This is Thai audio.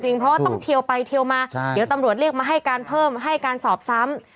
เพราะว่าต้องเทียวไปเทียวมาเดี๋ยวตำรวจเรียกมาให้การเพิ่มให้การสอบซ้ำ